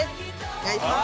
お願いします